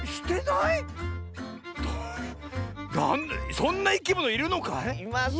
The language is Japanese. そんないきものいるのかい？